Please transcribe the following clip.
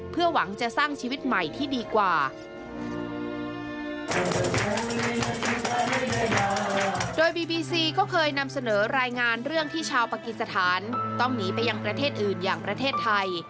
ไปยังประเทศอื่นอย่างประเทศไทย